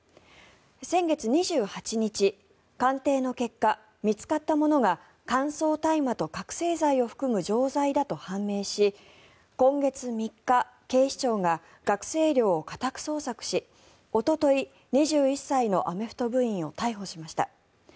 先月２８日、鑑定の結果見つかったものが乾燥大麻と覚醒剤を含む錠剤だと判明し今月３日、警視庁が学生寮を家宅捜索しおととい、２１歳のアメフト部員を逮捕しました。